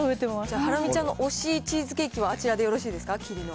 ハラミちゃんの推しチーズケーキはあちらでよろしいですか、キリの。